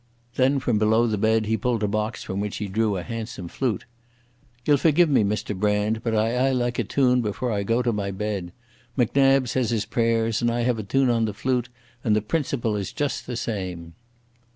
Then from below the bed he pulled a box from which he drew a handsome flute. "Ye'll forgive me, Mr Brand, but I aye like a tune before I go to my bed. Macnab says his prayers, and I have a tune on the flute, and the principle is just the same."